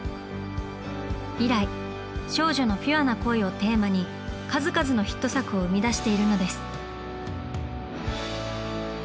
以来少女のピュアな恋をテーマに数々のヒット作を生み出しているのです。